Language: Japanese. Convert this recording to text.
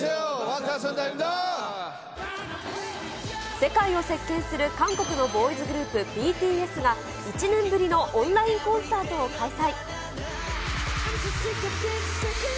世界を席けんする韓国のボーイズグループ、ＢＴＳが１年ぶりのオンラインコンサートを開催。